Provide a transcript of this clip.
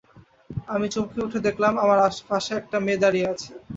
আমি চমকে উঠে দেখলাম আমার পাশে একটা মেয়ে দাঁড়িয়ে আছে।